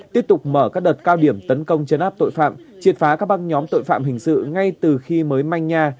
tiếp tục mở các đợt cao điểm tấn công chấn áp tội phạm triệt phá các băng nhóm tội phạm hình sự ngay từ khi mới manh nha